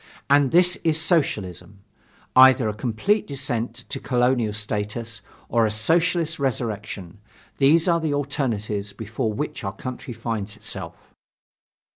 And this is Socialism. Either a complete descent to colonial status or a Socialist resurrection these are the alternatives before which our country finds itself.